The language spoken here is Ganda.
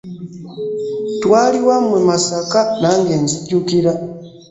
Twali wammwe Masaka nange nzijukira.